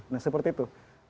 nah seperti itu